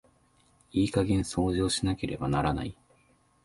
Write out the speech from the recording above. いい加減掃除をしなければならない。